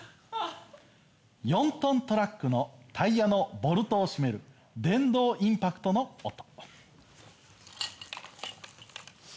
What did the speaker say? ４トントラックのタイヤのボルトを締める電動インパクトの音。